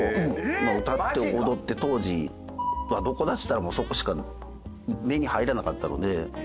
歌って踊って当時どこだっつったらそこしか目に入らなかったので。